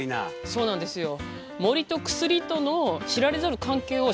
そうなんですよ。